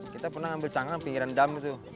kita pernah ambil cangkang pinggiran dam itu